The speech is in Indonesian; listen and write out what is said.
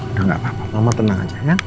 udah gapapa mama tenang aja ya